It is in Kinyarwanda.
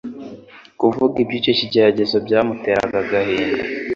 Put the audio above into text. Kuvuga iby'icyo kigeragezo byamuteraga agahinda.